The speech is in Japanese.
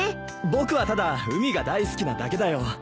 僕はただ海が大好きなだけだよ。